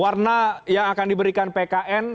warna yang akan diberikan pkn